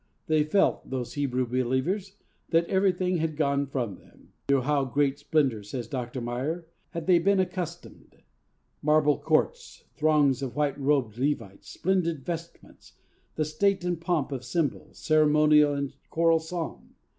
They felt those Hebrew believers that everything had gone from them. 'To how great splendour,' says Dr. Meyer, 'had they been accustomed marble courts, throngs of white robed Levites, splendid vestments, the state and pomp of symbol, ceremonial and choral psalm!